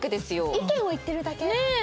意見を言ってるだけ。ねえー！